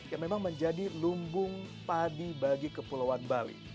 yang memang menjadi lumbung padi bagi kepulauan bali